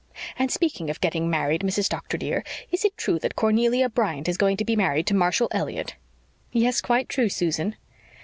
And speaking of getting married, Mrs. Doctor, dear, is it true that Cornelia Bryant is going to be married to Marshall Elliott?" "Yes, quite true, Susan."